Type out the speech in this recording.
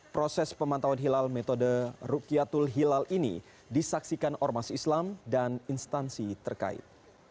proses pemantauan hilal metode rukyatul hilal ini disaksikan ormas islam dan instansi terkait